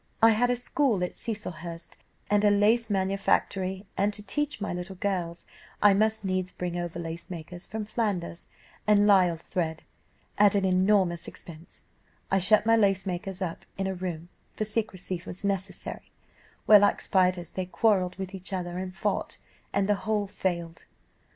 I had a school at Cecilhurst, and a lace manufactory; and to teach my little girls I must needs bring over lace makers from Flanders, and Lisle thread, at an enormous expense: I shut my lace makers up in a room (for secrecy was necessary), where, like spiders, they quarrelled with each other and fought, and the whole failed.